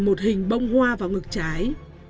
một hình bông hoa vào ngực trái